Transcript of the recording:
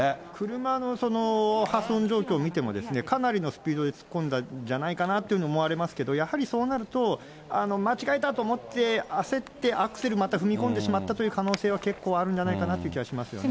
車の破損状況を見ても、かなりのスピードで突っ込んだんじゃないかなと思われますけれども、やはりそうなると、間違えたと思って、焦ってアクセルまた踏み込んでしまったという可能性は結構あるんじゃないかなという気はしますよね。